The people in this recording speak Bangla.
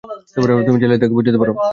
তুমি চাইলে তাকে বোঝাতে পারো।